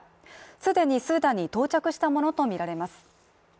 既にスーダンに到着したものとみられます。